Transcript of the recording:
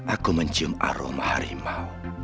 aku mencium aroma harimau